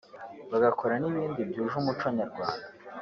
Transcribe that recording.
bagakora n’ibindi byuje umuco Nyarwanda